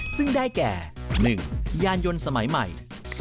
ซึ่งได้แก่๑ยานยนต์สมัยใหม่